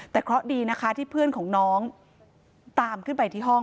แต่เคราะห์ดีนะคะที่เพื่อนของน้องตามขึ้นไปที่ห้อง